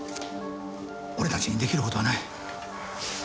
俺たちにできることはない。